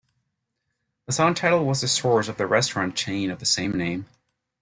The song title was the source of the restaurant chain of the same name.